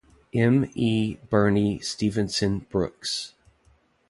M. E. Birnie Stephenson-Brooks.